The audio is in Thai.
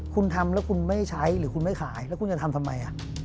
คุณทำแล้วคุณไม่ใช้หรือคุณไม่ขายแล้วคุณจะทำทำไม